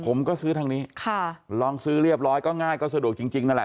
ผมก็ซื้อทางนี้ค่ะลองซื้อเรียบร้อยก็ง่ายก็สะดวกจริงนั่นแหละ